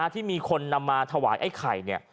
ที่มีคนนำมาถวายไอ้ไข่เนี่ย